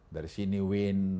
dari sini wind